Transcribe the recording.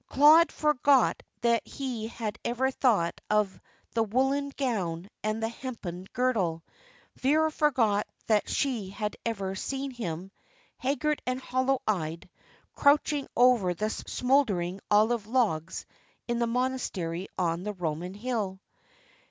Claude forgot that he had ever thought of the woollen gown and the hempen girdle; Vera forgot that she had ever seen him, haggard and hollow eyed, crouching over the smouldering olive logs in the monastery on the Roman hill.